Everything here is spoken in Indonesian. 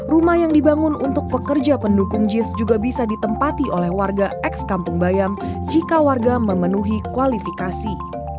rumah yang dibangun untuk pekerja pendukung jis juga bisa ditempati oleh warga ex kampung bayam jika warga memenuhi kualifikasi